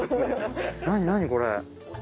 何何これ。